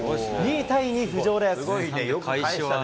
２位タイに浮上です。